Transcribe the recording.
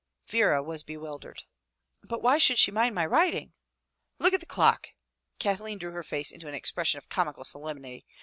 Vera was bewildered. " But why should she mind my writing?" "Look at the clock," Kathleen drew her face into an expression of comical solemnity.